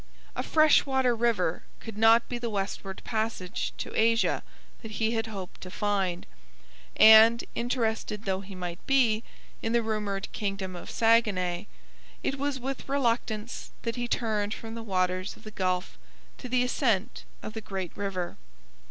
A fresh water river could not be the westward passage to Asia that he had hoped to find, and, interested though he might be in the rumoured kingdom of Saguenay, it was with reluctance that he turned from the waters of the Gulf to the ascent of the great river.